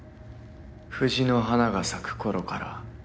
藤の花が咲く頃から。